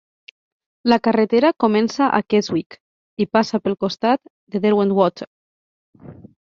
La carretera comença a Keswick i passa pel costat de Derwent Water.